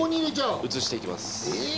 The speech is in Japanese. はい移していきます